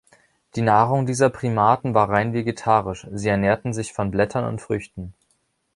Die Nahrung dieser Primaten war rein vegetarisch, sie ernährten sich von Blättern und Früchten.